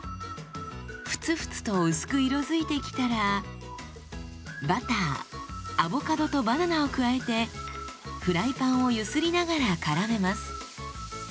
フツフツと薄く色づいてきたらバターアボカドとバナナを加えてフライパンを揺すりながらからめます。